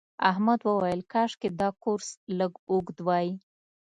احمد وویل کاشکې دا کورس لږ اوږد وای.